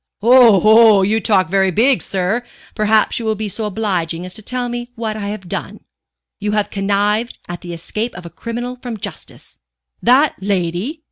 "Oho, you talk very big, sir. Perhaps you will be so obliging as to tell me what I have done." "You have connived at the escape of a criminal from justice " "That lady?